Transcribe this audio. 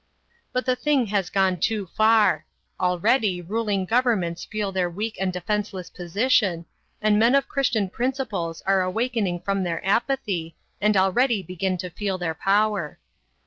But the thing has gone too far. Already ruling governments feel their weak and defenseless position, and men of Christian principles are awakening from their apathy, and already begin to feel their power.